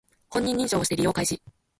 本人認証をして利用開始